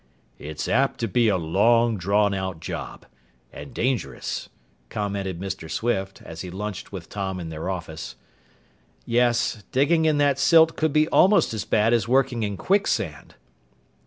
"It's apt to be a long drawn out job and dangerous," commented Mr. Swift as he lunched with Tom in their office. "Yes. Digging in that silt could be almost as bad as working in quicksand."